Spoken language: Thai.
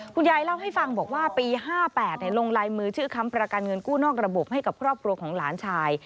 คุณยายเล่าให้ฟังบอกว่าปี๕๘ลงลายมือชื่อค้ำประกันเงินกู้นอกระบบให้กับครอบครัวของหลานชาย